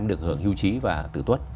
để được hưởng hưu trí và tử tuất